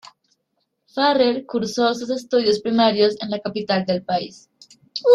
Farell cursó sus estudios primarios en la capital del país.